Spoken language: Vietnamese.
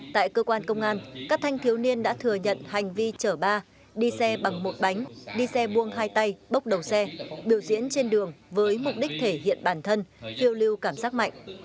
tại cơ quan công an các thanh thiếu niên đã thừa nhận hành vi chở ba đi xe bằng một bánh đi xe buông hai tay bốc đầu xe biểu diễn trên đường với mục đích thể hiện bản thân khiêu lưu cảm giác mạnh